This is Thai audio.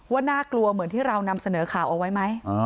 น่ากลัวเหมือนที่เรานำเสนอข่าวเอาไว้ไหม